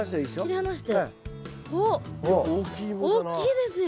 おっ大きいですよ。